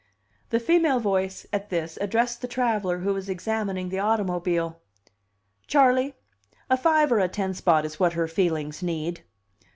The female voice, at this, addressed the traveller who was examining the automobile: "Charley, a five or a ten spot is what her feelings need."